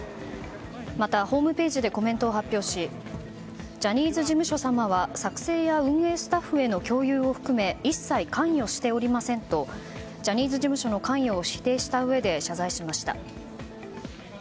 また、ホームページでコメントを発表しジャニーズ事務所様は作成や運営スタッフへの共有を含め一切関与しておりませんとジャニーズ事務所の関与を否定したうえで謝罪しました。